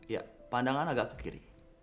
ya pandangan agak ke kiri